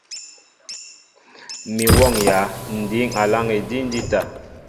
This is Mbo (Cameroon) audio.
Mi m̀wɔ́ŋyā Ǹ dǐŋ aláŋ edíw ǹjíta.